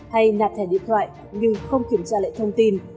hay nạt thẻ điện thoại nhưng không kiểm tra lại thông tin